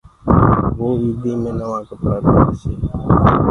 وو ايدي مي نوآ ڪپڙآ پيرسي۔